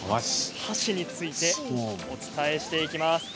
橋についてお伝えしていきます。